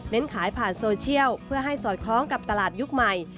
ขายผ่านโซเชียลเพื่อให้สอดคล้องกับตลาดยุคใหม่